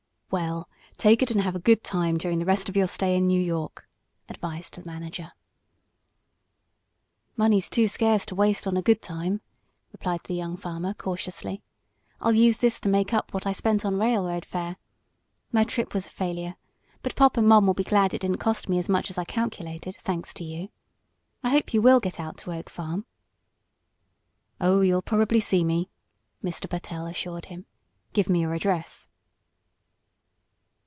"Well, take it and have a good time during the rest of your stay in New York," advised the manager. "Money's too scarce to waste on a good time," replied the young farmer, cautiously. "I'll use this to make up what I spent on railroad fare. My trip was a failure, but pop and mom will be glad it didn't cost me as much as I calculated, thanks to you. I hope you will get out to Oak Farm." "Oh, you'll probably see me," Mr. Pertell assured him. "Give me your address."